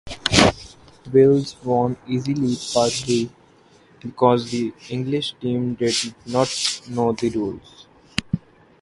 Wales won easily, partly because the English team did not know the rules.